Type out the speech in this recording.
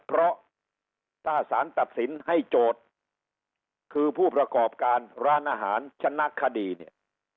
เพราะถ้าสารตัดสินให้โจทย์คือผู้ประกอบการร้านอาหารชนะคดีเนี่ย